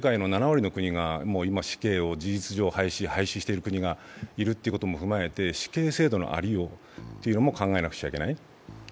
世界の７割の国が今、死刑を事実上、廃止している国があるうえで死刑制度のありようっていうのも考えなくちゃいけない。